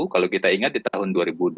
kalau kita ingat di tahun dua ribu dua puluh